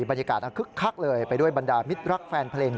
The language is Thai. บรรยากาศคึกคักเลยไปด้วยบรรดามิตรรักแฟนเพลง